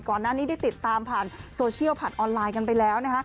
ก่อนหน้านี้ได้ติดตามผ่านโซเชียลผ่านออนไลน์กันไปแล้ว